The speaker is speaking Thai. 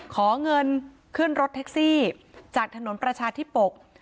ขอเงินขึ้นรถแท็กซี่จากถนนประชาธิปก